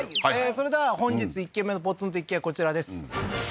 それでは本日１軒目のポツンと一軒家こちらです